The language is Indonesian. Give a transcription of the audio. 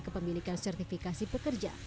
kepemilikan sertifikasi pekerja